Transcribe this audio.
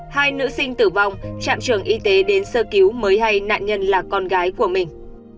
hai nữ sinh tử vong trạm trường y tế đến sơ cứu mới hay nạn nhân là con gái của mình